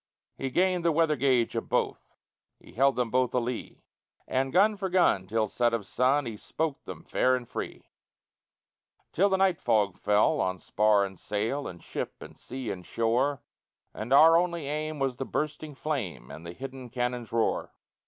He gained the weather gage of both, He held them both a lee; And gun for gun, till set of sun, He spoke them fair and free; Till the night fog fell on spar and sail, And ship, and sea, and shore, And our only aim was the bursting flame And the hidden cannon's roar.